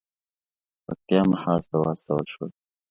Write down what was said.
پکتیا محاذ ته واستول شول.